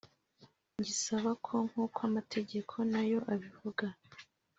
ngisaba ko nk’uko amategeko na yo abivuga